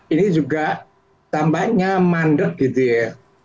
ini juga tampaknya mandek gitu ya